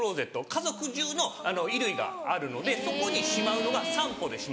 家族じゅうの衣類があるのでそこにしまうのが３歩でしまえる。